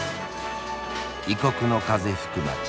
異国の風吹く街。